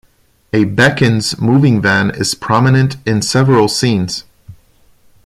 A Bekins moving van is prominent in several scenes.